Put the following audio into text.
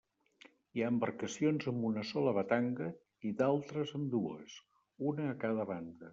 Hi ha embarcacions amb una sola batanga i d'altres amb dues, una a cada banda.